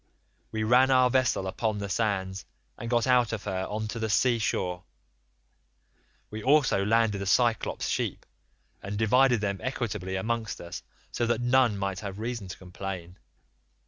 We ran our vessel upon the sands and got out of her on to the sea shore; we also landed the Cyclops' sheep, and divided them equitably amongst us so that none might have reason to complain.